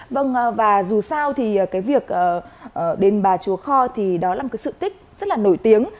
vâng và dù sao thì cái việc đền bà chúa kho thì đó là một cái sự tích rất là nổi tiếng